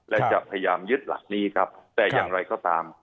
และจะพยายามยึดหลักนี้ครับแต่อย่างไรก็ตาม